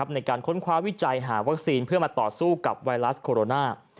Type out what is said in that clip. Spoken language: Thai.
ในการค้นคว้าวิจัยหาวัคซีนเพื่อมาต่อสู้กับไวรัสโคโรนา